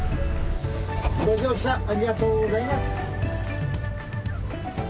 「ご乗車ありがとうございます」